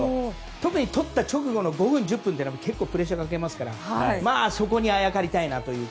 特に取った直後の５分、１０分は結構プレッシャーをかけるのでそこにあやかりたいなと。